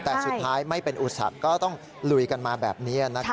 แต่สุดท้ายไม่เป็นอุตสัตว์ก็ต้องหลุยกันมาแบบนี้นะครับ